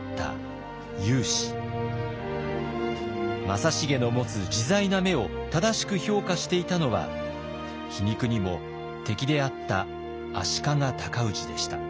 正成の持つ自在な目を正しく評価していたのは皮肉にも敵であった足利尊氏でした。